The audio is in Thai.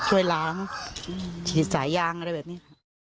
ด้วยฉีดสายยางอะไรแบบนี้